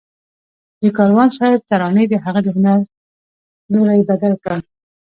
د کاروان صاحب ترانې د هغه د هنر لوری بدل کړ